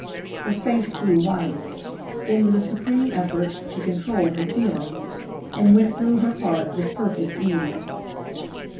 Her face grew white; then, with a supreme effort, she controlled her feelings, and went through her part with perfect ease.